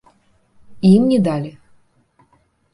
І ім не далі.